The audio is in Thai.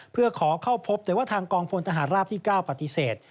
เพื่อขอเข้าพบแต่ว่าทางกองพลทหารราบที่๙ปฏิเสธ